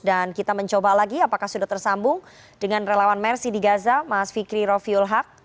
dan kita mencoba lagi apakah sudah tersambung dengan relawan mersi di gaza mas fikri rofiul haq